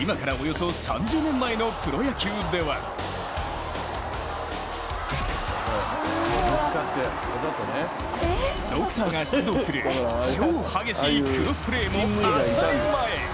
今からおよそ３０年前のプロ野球ではドクターが出動する超激しいクロスプレーも当たり前。